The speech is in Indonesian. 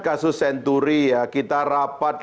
kasus senturi ya kita rapat